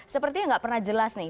seperti yang tidak pernah jelas nih